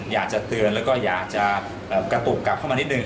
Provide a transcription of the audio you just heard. อยากจะเตือนแล้วก็อยากจะกระตุกกลับเข้ามานิดนึ